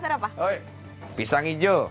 sampai jumpa lagi